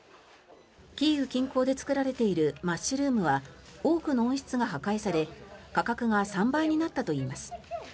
キーウ近郊で作られているマッシュルームは多くの温室が破壊され価格が３倍になったといいます。